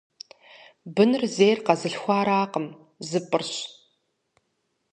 Быныр зейр къэзылъхуаракъым - зыпӏырщ.